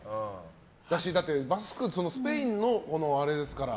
バスクってスペインのあれですから。